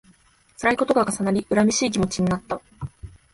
つらいことが重なり、恨めしい気持ちになった